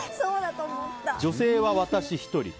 女性は私１人。